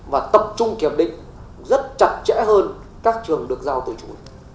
và tập trung kiểm định rất chặt chẽ hơn các trường được giao tự chủ